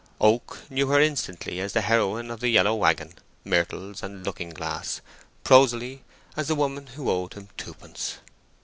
Oak knew her instantly as the heroine of the yellow waggon, myrtles, and looking glass: prosily, as the woman who owed him twopence.